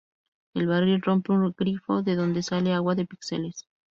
El barril rompe un grifo de donde sale "agua de pixeles".